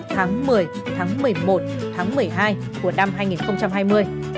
tháng một mươi tháng một mươi một tháng một mươi hai của năm hai nghìn hai mươi